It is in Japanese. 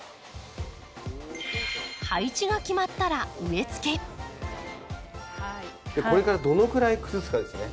配置が決まったらこれからどのくらい崩すかですね。